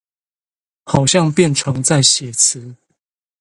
好像變成在寫詞